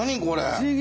不思議！